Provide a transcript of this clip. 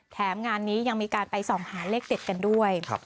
แถมงานนี้ยังมีการไปส่องหาเลขเด็ดกันด้วย